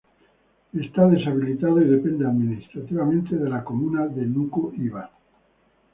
Está deshabitado y depende administrativamente de la comuna de Nuku Hiva.